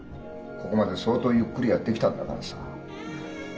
ここまで相当ゆっくりやってきたんだからさ。